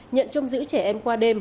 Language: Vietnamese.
nhận trông giữ trẻ em qua đêm